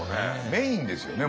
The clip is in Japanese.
メインですよね